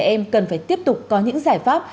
cơ quan bảo vệ trẻ em cần phải tiếp tục có những giải pháp